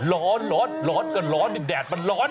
ร้อนร้อนร้อนก็ร้อนแดดมันร้อน